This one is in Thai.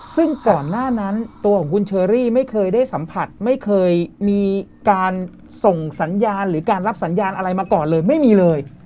ซึ่งก่อนหน้านั้นตัวของคุณเชอรี่ไม่เคยได้สัมผัสไม่เคยมีการส่งสัญญาณหรือการรับสัญญาณอะไรมาก่อนเลยไม่มีเลย